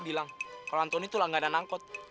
bilang kalau antoni tuh gak ada angkot